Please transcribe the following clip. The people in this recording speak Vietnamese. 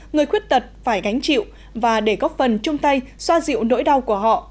người khuyết tật phải gánh chịu và để góp phần chung tay xoa dịu nỗi đau của họ